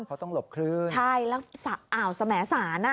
เขาต้องหลบคลื่นใช่แล้วสะอาวเสมอสาน